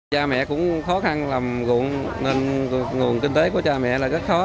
cha mẹ cũng khó khăn làm ruộng nên nguồn kinh tế của cha mẹ là rất khó